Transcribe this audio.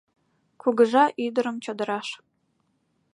«Кугыжа ӱдырым чодыраш